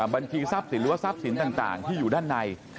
บัญชีทรัพย์สินที่อยู่ด้านใน